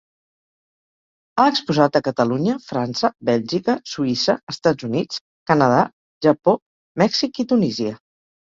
Ha exposat a Catalunya, França, Bèlgica, Suïssa, Estats Units, Canadà, Japó, Mèxic i Tunísia.